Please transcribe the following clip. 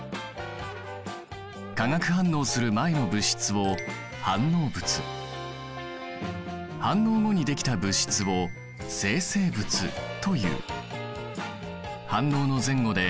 化学反応する前の物質を反応物反応後にできた物質を生成物という。